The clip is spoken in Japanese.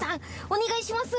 お願いします。